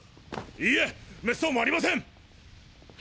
いいえ滅相もありません！